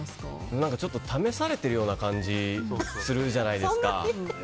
ちょっと試されてるような感じがするじゃないですか。